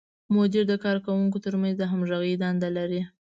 مدیر د کارکوونکو تر منځ د همغږۍ دنده لري.